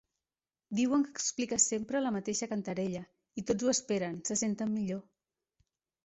Diuen que expliques sempre la mateixa contarella; i tots ho esperen, se senten millor.